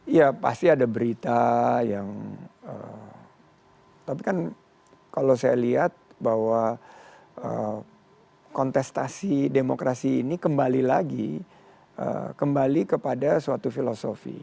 ya pasti ada berita yang tapi kan kalau saya lihat bahwa kontestasi demokrasi ini kembali lagi kembali kepada suatu filosofi